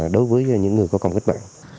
đối với những người có công kích mạng